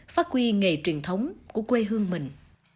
phát huy nghề truyền thống của quê hương mình